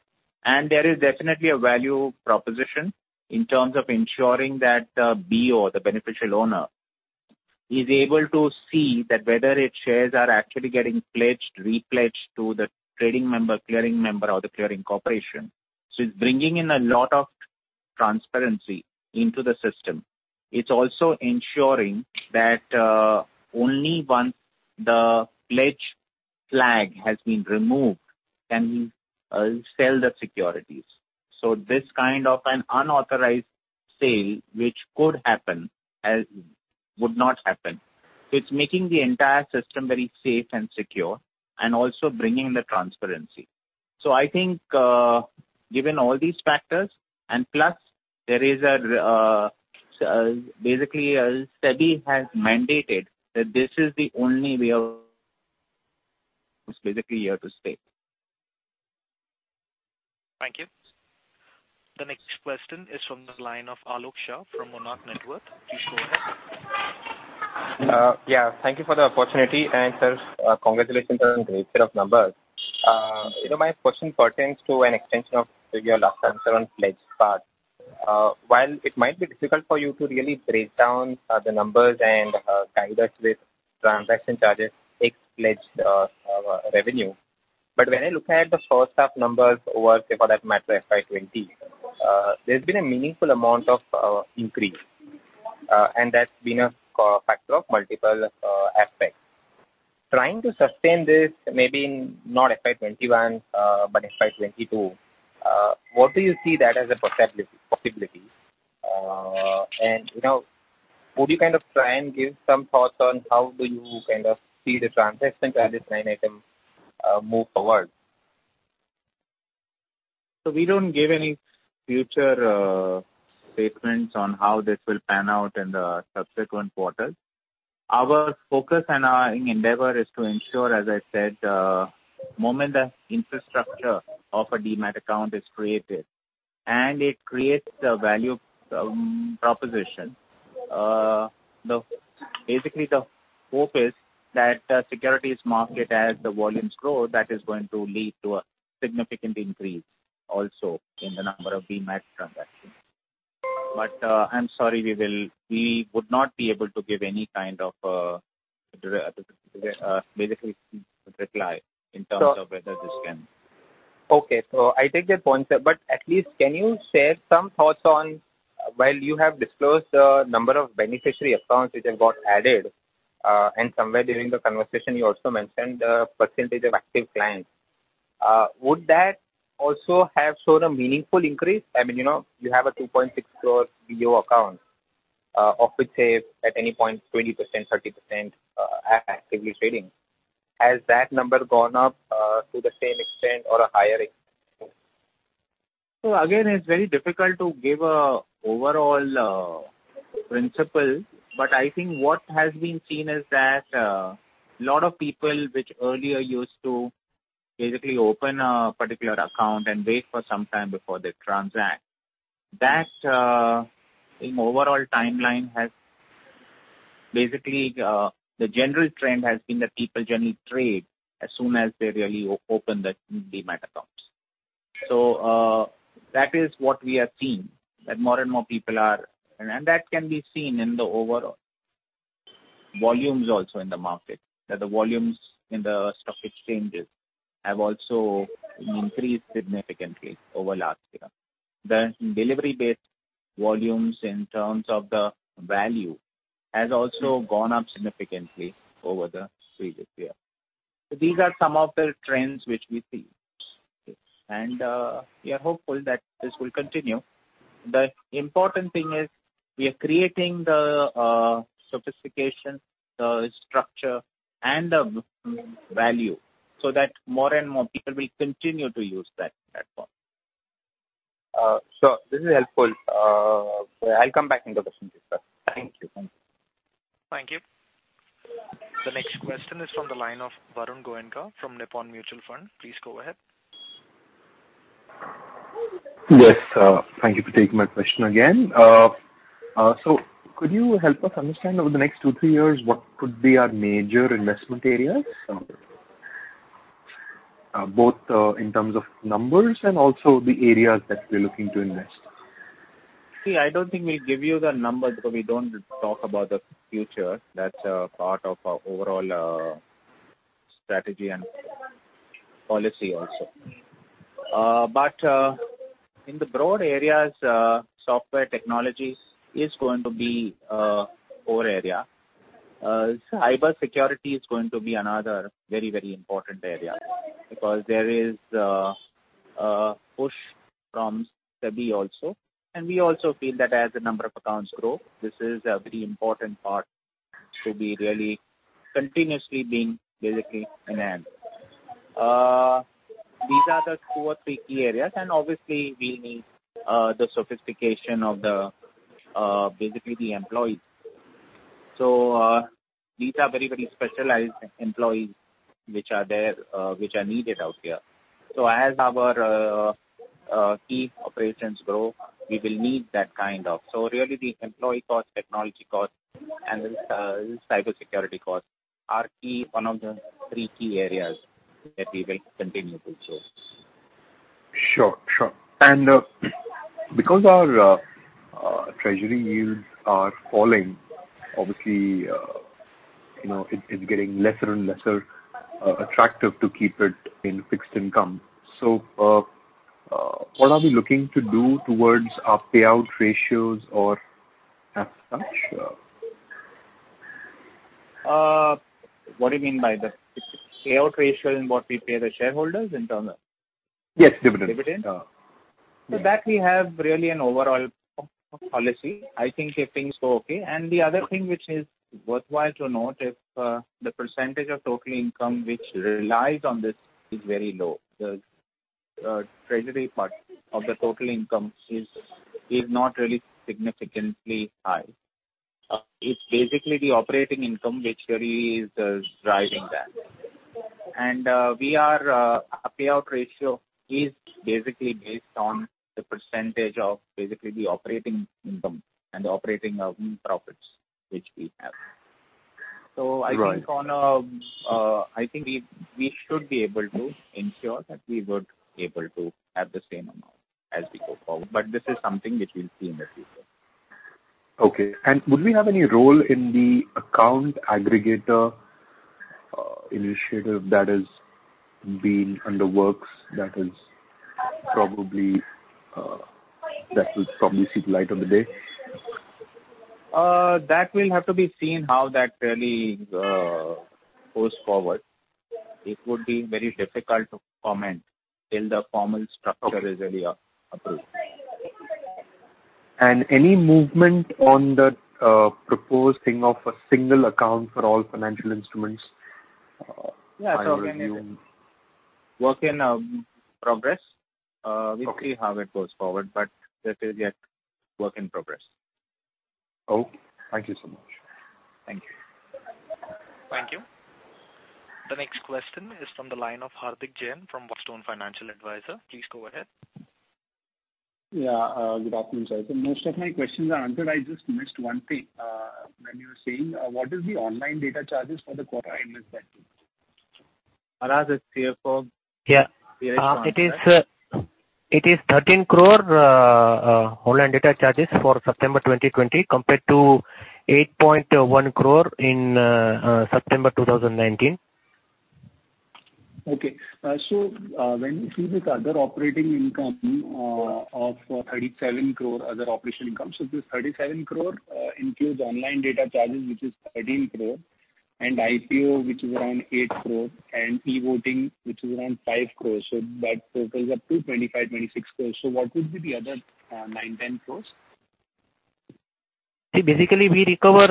There is definitely a value proposition in terms of ensuring that the BO, the beneficial owner, is able to see that whether its shares are actually getting pledged, re-pledged to the trading member, clearing member, or the clearing corporation. It's bringing in a lot of transparency into the system. It's also ensuring that only once the pledge flag has been removed, can you sell the securities. This kind of an unauthorized sale, which could happen, would not happen. It's making the entire system very safe and secure, and also bringing the transparency. I think, given all these factors, and plus, basically SEBI has mandated that this is the only way of it's basically here to stay. Thank you. The next question is from the line of Aalok Shah from Monarch Networth Capital. Please go ahead. Yeah, thank you for the opportunity. Sir, congratulations on great set of numbers. My question pertains to an extension of your last answer on pledged part. When I look at the first half numbers over, say, for that matter, FY20, there's been a meaningful amount of increase, and that's been a factor of multiple aspects. Trying to sustain this, maybe not FY21, but FY22, what do you see that as a possibility? Would you try and give some thoughts on how do you see the transaction charges line item move forward? We don't give any future statements on how this will pan out in the subsequent quarters. Our focus and our endeavor is to ensure, as I said, moment the infrastructure of a Demat account is created, and it creates the value proposition. The hope is that the securities market, as the volumes grow, that is going to lead to a significant increase also in the number of Demat transactions. I'm sorry, we would not be able to give any kind of a basic reply in terms of whether this can. I take that point, sir. At least can you share some thoughts on, while you have disclosed the number of beneficiary accounts which have got added, and somewhere during the conversation you also mentioned the percentage of active clients. Would that also have shown a meaningful increase? You have a 2.6 crore BO accounts, of which say, at any point, 20%, 30% are actively trading. Has that number gone up to the same extent or a higher extent? Again, it's very difficult to give a overall principle, but I think what has been seen is that a lot of people which earlier used to basically open a particular account and wait for some time before they transact. That overall timeline, basically, the general trend has been that people generally trade as soon as they really open the Demat accounts. That is what we are seeing, that more and more people are, and that can be seen in the overall volumes also in the market, that the volumes in the stock exchanges have also increased significantly over last year. The delivery-based volumes in terms of the value has also gone up significantly over the previous year. These are some of the trends which we see. Okay. We are hopeful that this will continue. The important thing is we are creating the sophistication, the structure, and the value so that more and more people will continue to use that platform. Sure. This is helpful. I'll come back in the question, sir. Thank you. Thank you. The next question is from the line of Varun Goenka from Nippon Mutual Fund. Please go ahead. Yes. Thank you for taking my question again. Could you help us understand over the next two, three years, what could be our major investment areas? Both in terms of numbers and also the areas that we're looking to invest in. I don't think we'll give you the numbers because we don't talk about the future. That's a part of our overall strategy and policy also. In the broad areas, software technologies is going to be our area. Cybersecurity is going to be another very important area because there is a push from SEBI also, we also feel that as the number of accounts grow, this is a very important part to be really continuously being enhanced. These are the two or three key areas, obviously we need the sophistication of the employees. These are very specialized employees which are needed out here. As our key operations grow, we will need that kind. Really, the employee cost, technology cost, and cybersecurity cost are one of the three key areas that we will continue to pursue. Sure. Because our treasury yields are falling, obviously it's getting lesser and lesser attractive to keep it in fixed income. What are we looking to do towards our payout ratios or as such? What do you mean by the payout ratio in what we pay the shareholders? Yes, dividends. Dividends? Yeah. For that we have really an overall policy. I think if things go okay. The other thing which is worthwhile to note, if the percentage of total income which relies on this is very low. The treasury part of the total income is not really significantly high. It's basically the operating income which really is driving that. Our payout ratio is basically based on the percentage of basically the operating income and the operating profits which we have. Right. I think we should be able to ensure that we would be able to have the same amount as we go forward. This is something which we'll see in the future. Okay. Would we have any role in the Account Aggregator Initiative that has been under works that will probably see the light of the day? That will have to be seen how that really goes forward. It would be very difficult to comment till the formal structure is really approved. Any movement on the proposed thing of a single account for all financial instruments? Yeah. It's work in progress. Okay. We'll see how it goes forward, but that is yet work in progress. Okay. Thank you so much. Thank you. Thank you. The next question is from the line of Hardik Jain from Whitestone Financial Advisors. Please go ahead. Yeah. Good afternoon, sir. Most of my questions are answered. I just missed one thing. When you were saying, what is the online data charges for the quarter? I missed that. Girish is CFO. Yeah. It is 13 crore online data charges for September 2020 compared to 8.1 crore in September 2019. When you see this other operating income of 37 crore, other operation income. This 37 crore includes online data charges, which is 13 crore, and IPO which is around 8 crore, and e-voting, which is around 5 crore. That totals up to 25 crore-26 crore. What would be the other 9 crore-10 crore? Basically we recover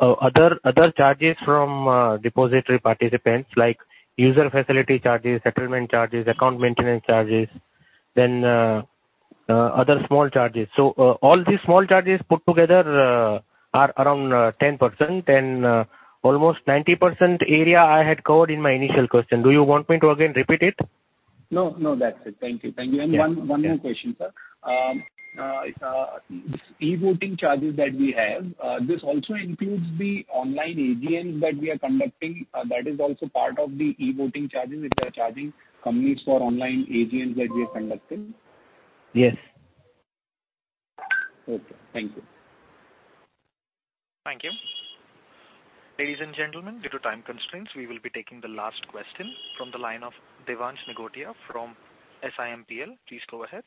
other charges from depository participants, like user facility charges, settlement charges, account maintenance charges, then other small charges. All these small charges put together are around 10%, and almost 90% area I had covered in my initial question. Do you want me to again repeat it? No, that's it. Thank you. Yeah. One more question, sir. This e-voting charges that we have, this also includes the online AGMs that we are conducting, that is also part of the e-voting charges which we are charging companies for online AGMs that we are conducting? Yes. Okay. Thank you. Thank you. Ladies and gentlemen, due to time constraints, we will be taking the last question from the line of Devansh Nigotia from SIMPL. Please go ahead.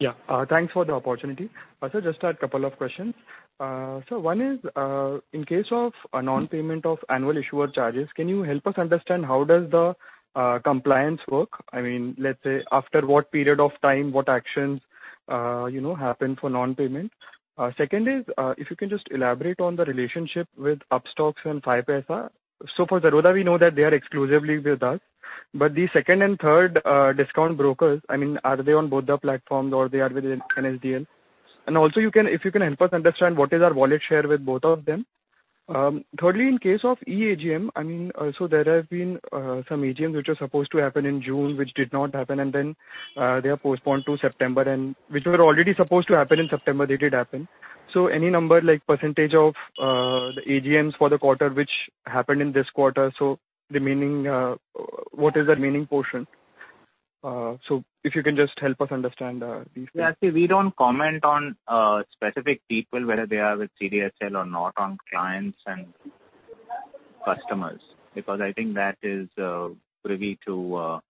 Yeah. Thanks for the opportunity. Sir, just a couple of questions. Sir, one is, in case of a non-payment of annual issuer charges, can you help us understand how does the compliance work? I mean, let's say after what period of time, what actions happen for non-payment? Second is, if you can just elaborate on the relationship with Upstox and 5paisa. For Zerodha, we know that they are exclusively with us, but the second and third discount brokers, I mean, are they on both the platforms or they are with NSDL? Also if you can help us understand what is our wallet share with both of them. Thirdly, in case of eAGM, I mean, there have been some AGMs which were supposed to happen in June, which did not happen and then they are postponed to September and which were already supposed to happen in September, they did happen. Any number, like percentage of the AGMs for the quarter, which happened in this quarter? What is the remaining portion? If you can just help us understand these things. See, we don't comment on specific people, whether they are with CDSL or not on clients and customers, because I think that is privy to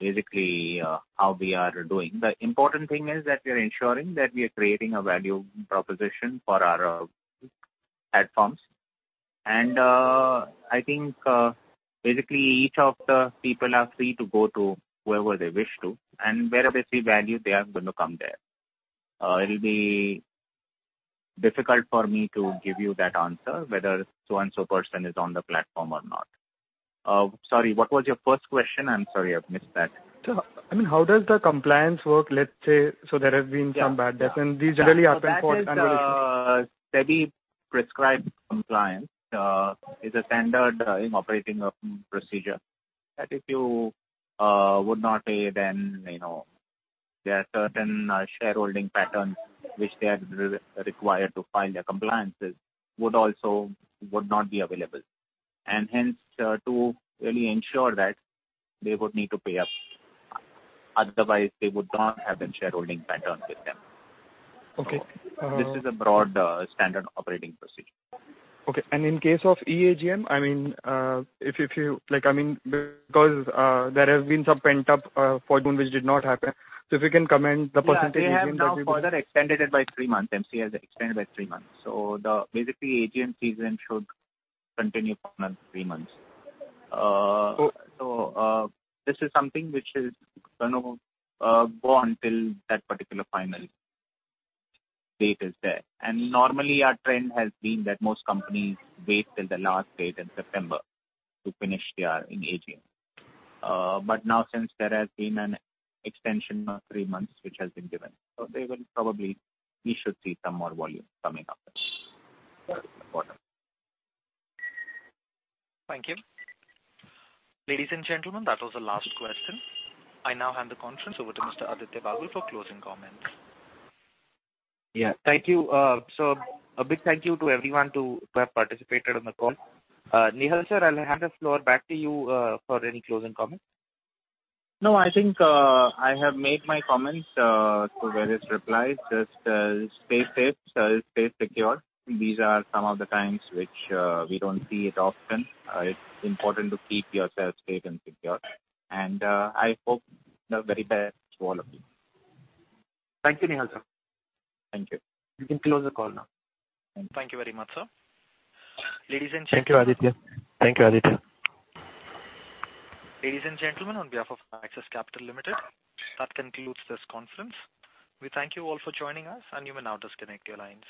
basically how we are doing. The important thing is that we are ensuring that we are creating a value proposition for our platforms. I think, basically, each of the people are free to go to whoever they wish to. Where they see value, they are going to come there. It'll be difficult for me to give you that answer whether so and so person is on the platform or not. Sorry, what was your first question? I'm sorry, I've missed that. I mean, how does the compliance work, let's say, so there has been some bad debt, and these generally happen for standard issues. That is SEBI-prescribed compliance, is a standard operating procedure, that if you would not pay then there are certain shareholding patterns which they are required to file their compliances would not be available. Hence, to really ensure that they would need to pay up. Otherwise, they would not have the shareholding pattern with them. Okay. This is a broad standard operating procedure. Okay. In case of eAGM, because there have been some pent-up activity which did not happen. If you can comment the percentage of AGMs that we do. Yeah. They have now further extended it by three months. MCA has extended by three months. Basically AGM season should continue for another three months. This is something which is going to go on till that particular final date is there. Normally our trend has been that most companies wait till the last date in September to finish their AGM. Now since there has been an extension of three months, which has been given, so we should see some more volume coming up this quarter. Thank you. Ladies and gentlemen, that was the last question. I now hand the conference over to Mr. Aditya Bagul for closing comments. Yeah. Thank you. A big thank you to everyone who have participated on the call. Nehal, sir, I'll hand the floor back to you for any closing comments. No, I think, I have made my comments through various replies. Just stay safe, stay secure. These are some of the times which we don't see it often. It's important to keep yourself safe and secure. I hope the very best to all of you. Thank you, Nehal, sir. Thank you. You can close the call now. Thank you very much, sir. Ladies and gentlemen. Thank you, Aditya. Ladies and gentlemen, on behalf of Axis Capital Limited, that concludes this conference. We thank you all for joining us, and you may now disconnect your lines.